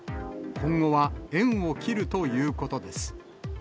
今後は縁を切るということです。